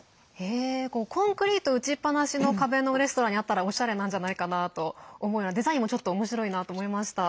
コンクリート打ちっぱなしの壁のレストランにあったらおしゃれなんじゃないかなと思うようなデザインも、ちょっとおもしろいなと思いました。